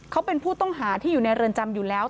เขาเป็นผู้ต้องหาที่อยู่ในเรือนจำอยู่แล้ว